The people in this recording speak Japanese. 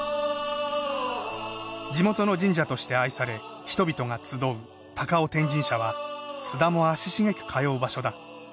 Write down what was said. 地元の神社として愛され人々が集う高尾天神社は須田も足しげく通う場所だ。